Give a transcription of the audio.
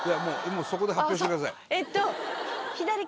そこで発表してください。